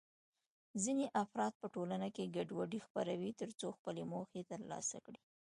ځینې افراد په ټولنه کې ګډوډي خپروي ترڅو خپلې موخې ترلاسه کړي.